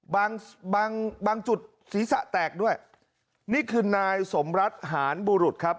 บางบางจุดศีรษะแตกด้วยนี่คือนายสมรัฐหานบุรุษครับ